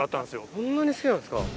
そんなに好きなんですか。